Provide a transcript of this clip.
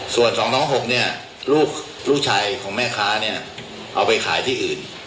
ส่วน๒๐๖เนี่ยลูกชายของแม่ค้าเนี่ยเอาไปขายที่อื่น